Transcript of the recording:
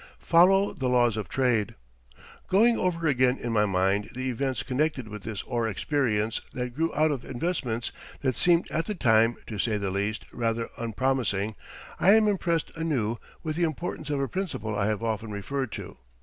FOLLOW THE LAWS OF TRADE Going over again in my mind the events connected with this ore experience that grew out of investments that seemed at the time, to say the least, rather unpromising, I am impressed anew with the importance of a principle I have often referred to.